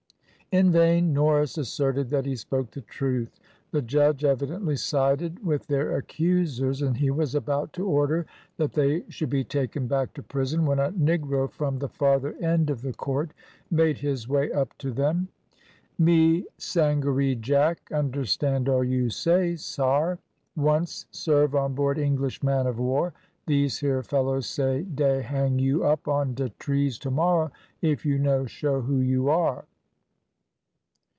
In vain Norris asserted that he spoke the truth. The judge evidently sided with their accusers, and he was about to order that they should be taken back to prison, when a negro from the farther end of the court made his way up to them. "Me Sangaree Jack, understand all you say, sare; once serve on board English man of war. These here fellows say dey hang you up on de trees tomorrow if you no show who you are."